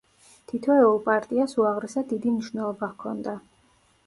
თითოეულ პარტიას უაღრესად დიდი მნიშვნელობა ჰქონდა.